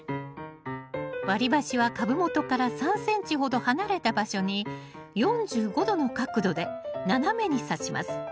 割り箸は株元から３ｃｍほど離れた場所に４５度の角度で斜めにさします。